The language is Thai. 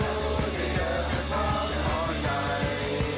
ราวที่เจอความที่มองใจ